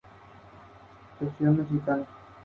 Fue rodada en las Islas Eolias en Sicilia.